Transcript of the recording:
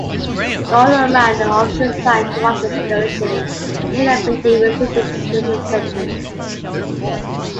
The Ottoman official assigned to watch the excavation, Amin Effendi, received a prison sentence.